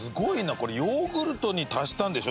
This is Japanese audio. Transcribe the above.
これヨーグルトに足したんでしょ？